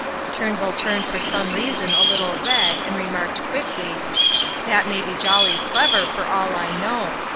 Turnbull turned for some reason a little red and remarked quickly, "That may be jolly clever, for all I know.